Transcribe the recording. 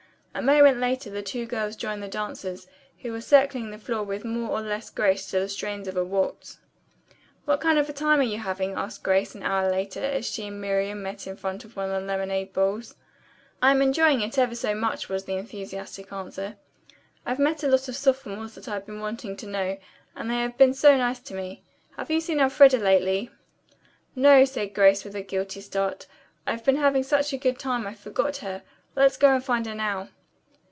A moment later the two girls joined the dancers, who were circling the floor with more or less grace to the strains of a waltz. "What kind of a time are you having?" asked Grace an hour later as she and Miriam met in front of one of the lemonade bowls. "I'm enjoying it ever so much," was the enthusiastic answer. "I've met a lot of sophomores that I've been wanting to know, and they have been so nice to me. Have you seen Elfreda lately?" "No," said Grace with a guilty start. "I've been having such a good time I forgot her. Let's go and find her now."